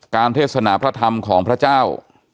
เทศนาพระธรรมของพระเจ้า